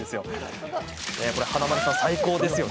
華丸さん、最高でしょ？